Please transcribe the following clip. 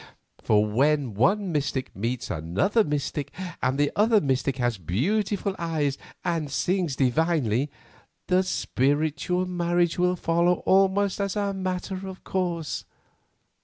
For when one mystic meets another mystic, and the other mystic has beautiful eyes and sings divinely, the spiritual marriage will follow almost as a matter of course.